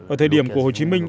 ở thời điểm của hồ chí minh